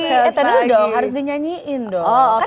eh tadi dulu dong harus dinyanyiin dong